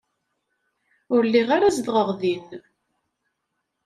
Ur lliɣ ara zedɣeɣ din.